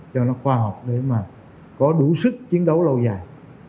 cho nó khoa học để mà có đủ sức chiến đấu lâu dài